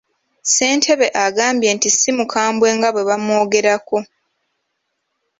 Ssentebe agambye nti ssi mukambwe nga bwe bamwogerako.